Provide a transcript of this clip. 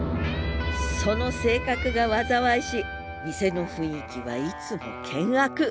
その性格が災いし店の雰囲気はいつも険悪。